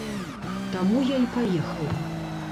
Таму я і паехала.